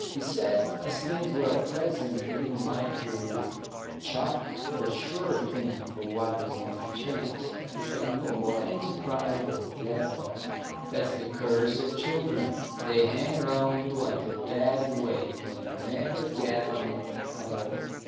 He said, as things were at present, he didn't like to chuck a sure thing for what was only a chance. He's got no more enterprise than a dead dog. That's the curse of children. They hang round you like a dead weight, and you never get on at all.